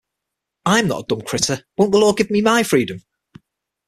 I'm not a dumb critter; won't the law give me my freedom?